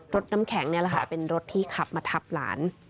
รถน้ำแข็งนี่แหละค่ะเป็นรถที่ขับมาทับหลาน